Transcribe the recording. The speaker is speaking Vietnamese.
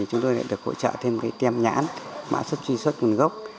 chúng tôi đã được hỗ trợ thêm cái tem nhãn mạng xuất truy xuất nguồn gốc